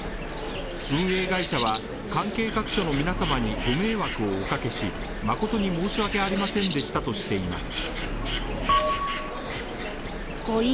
運営会社は関係各所の皆様にご迷惑をおかけし誠に申し訳ありませんでしたとしています。